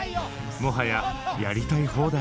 もはややりたい放題。